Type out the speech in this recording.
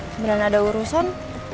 sebenernya ada urusan